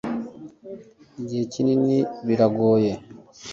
igihe kinini biragoye